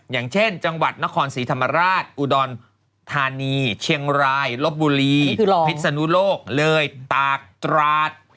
อย่างเช่นจังหวัดนครศรีธรรมราชอุดรธานีเชียงรายลบบุรีพิศนุโลกเลยตากตราด